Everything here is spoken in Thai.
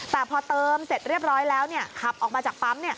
แต่พอเติมเสร็จเรียบร้อยแล้วขับออกมาจากปั๊ม